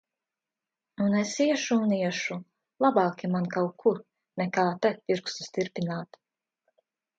Un es iešu un iešu! Labāki man kaut kur, nekā te, pirkstus tirpināt.